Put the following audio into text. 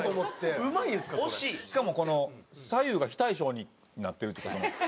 しかもこの左右が非対称になってる。